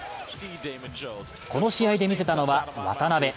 この試合で見せたのは渡邊。